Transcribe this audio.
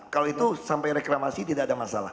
kalau itu sampai reklamasi tidak ada masalah